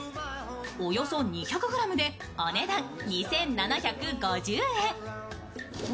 およそ２００ｇでお値段２７５０円。